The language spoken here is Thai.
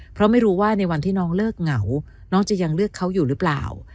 เพราะไม่รู้ว่าในวันที่น้องเลิกเหงาน้องจะยังเลือกเขาอยู่หรือเปล่า